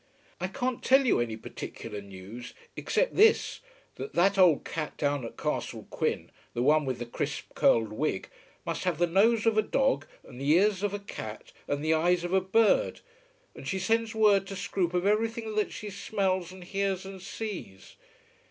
I can't tell you any particular news, except this, that that old cat down at Castle Quin, the one with the crisp curled wig, must have the nose of a dog and the ears of a cat and the eyes of a bird, and she sends word to Scroope of everything that she smells and hears and sees.